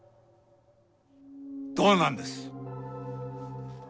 どうなんです？